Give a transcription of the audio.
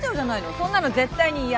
そんなの絶対に嫌！